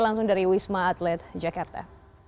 langsung dari wisma atlet jakarta